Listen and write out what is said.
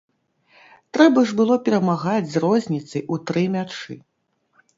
Трэба ж было перамагаць з розніцай у тры мячы.